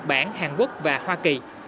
nhật bản hàn quốc và hoa kỳ